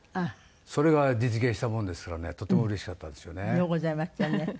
それが実現したものですからねとてもうれしかったですよね。